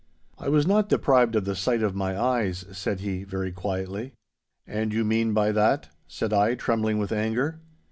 'I was not deprived of the sight of my eyes,' said he, very quietly. 'And you mean by that—?' said I, trembling with anger.